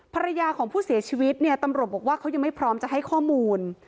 ภรรยาของผู้เสียชีวิตเนี่ยตำรวจบอกว่าเขายังไม่พร้อมจะให้ข้อมูล